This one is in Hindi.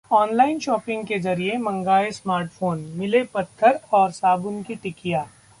ऑनलाइन शॉपिंग के जरिए मंगाए स्मार्टफोन, मिले पत्थर और साबुन की टिकिया